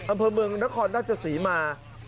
อำเภอเมืองนครราชศรีมา